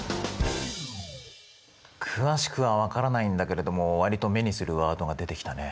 詳しくは分からないんだけれども割と目にするワードが出てきたね。